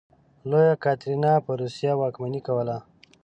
لویه کاترینه په روسیې واکمني کوله.